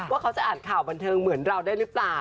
ว่าเขาจะอ่านข่าวบันเทิงเหมือนเราได้หรือเปล่า